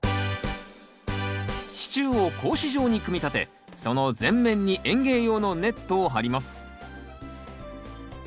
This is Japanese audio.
支柱を格子状に組み立てその全面に園芸用のネットを張ります。